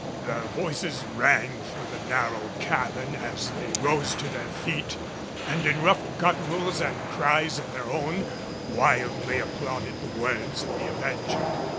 Their voices rang through the narrow cabin as they rose to their feet and in rough gutturals and cries of their own wildly applauded the words of the Avenger.